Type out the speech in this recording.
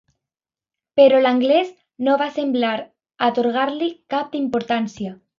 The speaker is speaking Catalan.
Però l'anglès no va semblar atorgar-li cap importància.